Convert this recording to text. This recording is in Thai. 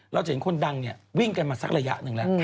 เราจะเห็นคนดังวิ่งกันมาสักระยะหนึ่งแล้ว